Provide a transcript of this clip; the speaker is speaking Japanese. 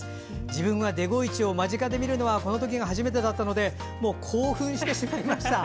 自分はデゴイチを間近で見るのは初めてだったので興奮してしまいました。